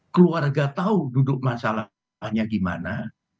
keluarga tahu duduk masalahnya gimana